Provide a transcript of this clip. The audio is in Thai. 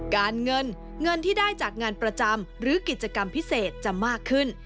การเงินเงินที่ได้จากงานประจำหรือกิจกรรมพิเศษจะมากขึ้น